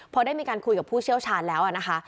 พอได้มีการคุยกับผู้เชี่ยวชาญแล้วนะคะ